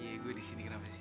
iya gue disini kenapa sih